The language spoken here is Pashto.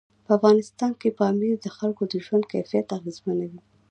په افغانستان کې پامیر د خلکو د ژوند کیفیت اغېزمنوي.